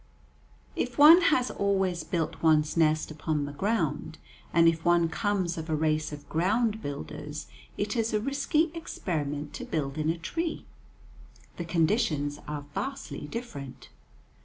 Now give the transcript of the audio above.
If one has always built one's nest upon the ground, and if one comes of a race of ground builders, it is a risky experiment to build in a tree. The conditions are vastly different.